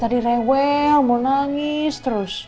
tadi rewel mau nangis terus